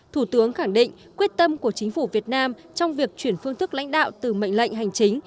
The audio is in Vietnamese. thủ tướng khẳng định quyết tâm của chính phủ việt nam trong việc chuyển phương thức lãnh đạo từ mệnh lệnh hành chính